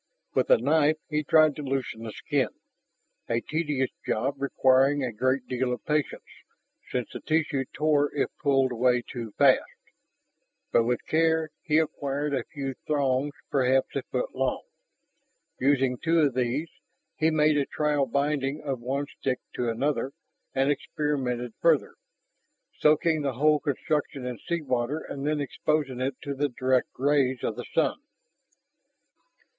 With a knife he tried to loosen the skin a tedious job requiring a great deal of patience, since the tissue tore if pulled away too fast. But with care he acquired a few thongs perhaps a foot long. Using two of these, he made a trial binding of one stick to another, and experimented farther, soaking the whole construction in sea water and then exposing it to the direct rays of the sun.